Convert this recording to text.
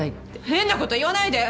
変なこと言わないで！